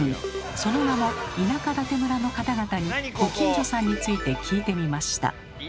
その名も「田舎館村」の方々にご近所さんについて聞いてみました。